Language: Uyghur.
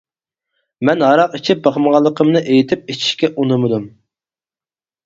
مەن ھاراق ئىچىپ باقمىغانلىقىمنى ئېيتىپ ئىچىشكە ئۇنىمىدىم.